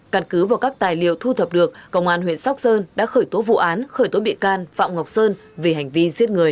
căn cứ vào các tài liệu thu thập được công an huyện sóc sơn đã khởi tố vụ án khởi tố bị can phạm ngọc sơn vì hành vi giết người